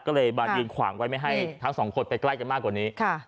ก็เลยมายืนขวางไว้ไม่ให้ทั้งสองคนไปใกล้กันมากกว่านี้